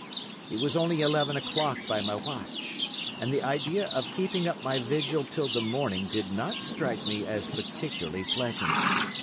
It was only eleven o'clock by my watch, and the idea of keeping up my vigil till the morning did not strike me as particularly pleasant.